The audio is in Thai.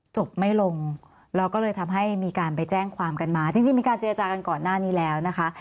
จบไม่ลงเราก็เลยทำให้มีการไปแจ้งความกันมาจริงมีการเจรจากันก่อนหน้านี้แล้วนะคะ